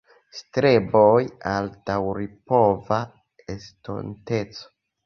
Streboj al daŭripova estonteco.